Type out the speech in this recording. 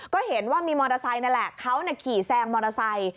ก็เห็นว่ามีมอเตอร์ไซค์นั่นแหละเขาขี่แซงมอเตอร์ไซค์